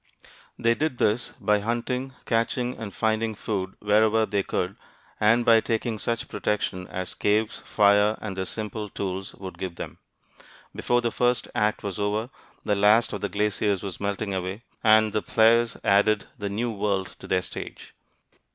They did this by hunting, catching, and finding food wherever they could, and by taking such protection as caves, fire, and their simple tools would give them. Before the first act was over, the last of the glaciers was melting away, and the players had added the New World to their stage.